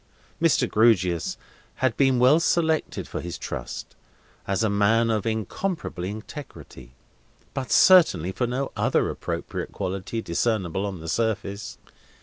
Mr. Grewgious had been well selected for his trust, as a man of incorruptible integrity, but certainly for no other appropriate quality discernible on the surface.